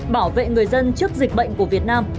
bảo vệ người dân trước dịch bệnh của việt nam